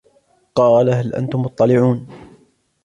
قَالَ هَلْ أَنْتُمْ مُطَّلِعُونَ